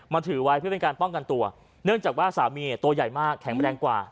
ถือไว้เพื่อเป็นการป้องกันตัวเนื่องจากว่าสามีตัวใหญ่มากแข็งแรงกว่า